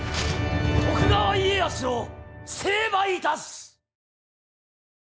徳川家康を成敗いたす！